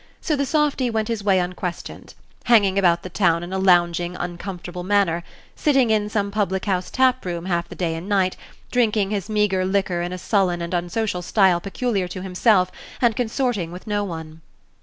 So the softy went his way unquestioned, hanging about the town in a lounging, uncomfortable manner, sitting in some public house tap room half the day and night, drinking his meagre liquor in a sullen and unsocial style peculiar to himself, and consorting with no one.